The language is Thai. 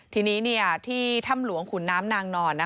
ทีนี้ที่ถ้ำหลวงขุนน้ำนางนอน